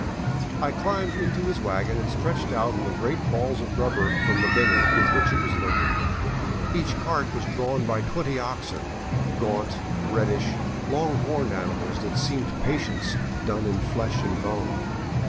I climbed into his wagon and stretched out on the great balls of rubber from the Beni with which it was loaded. Each cart was drawn by twenty oxen, gaunt, reddish, long horned animals that seemed Patience done in flesh and bone.